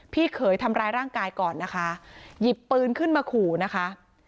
เขยทำร้ายร่างกายก่อนนะคะหยิบปืนขึ้นมาขู่นะคะ